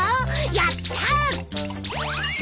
やったー！